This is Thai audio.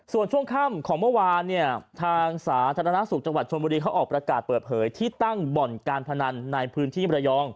ส่วนช่วงค่ำของเมื่อวานเนี่ยทางสาธารณสุขจังหวัดชนบุรีเขาออกประกาศเปิดเผยที่ตั้งบ่อนการพนันในพื้นที่มรยอง